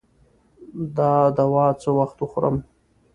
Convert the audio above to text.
دا دوا څه وخت وخورم؟